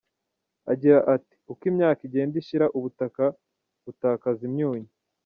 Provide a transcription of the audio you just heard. Agira ati “Uko imyaka igenda ishira, ubutaka butakaza imyunyu.